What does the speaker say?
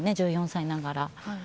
１４歳ながら。